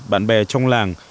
bạn bè trong làng